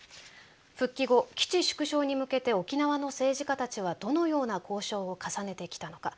復帰後基地縮小に向けて沖縄の政治家たちはどのような交渉を重ねてきたのか。